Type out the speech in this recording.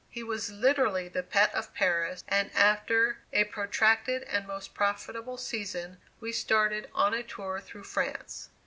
He was literally the pet of Paris, and after a protracted and most profitable season we started on a tour through France.